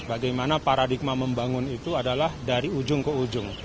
bagaimana paradigma membangun itu adalah dari ujung ke ujung